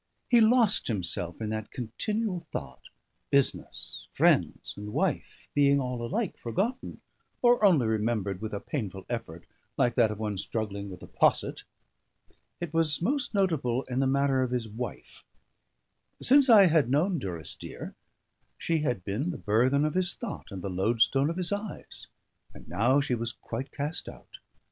He lost himself in that continual thought: business, friends, and wife being all alike forgotten, or only remembered with a painful effort, like that of one struggling with a posset. It was most notable in the matter of his wife. Since I had known Durrisdeer, she had been the burthen of his thought and the loadstone of his eyes; and now she was quite cast out.